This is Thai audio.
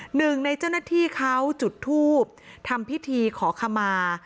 หนึ่งในเจ้าหน้าที่เขาจุดทูบทำพิธีขอขมา